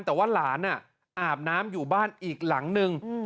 แต่ว่าหลานอาบน้ำอยู่บ้านอีกหลังนึง